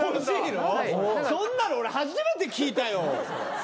そんなの俺初めて聞いたよ！